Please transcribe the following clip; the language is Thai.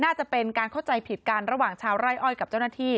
น่าจะเป็นการเข้าใจผิดกันระหว่างชาวไร่อ้อยกับเจ้าหน้าที่